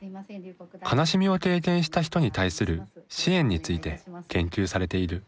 悲しみを経験した人に対する支援について研究されている。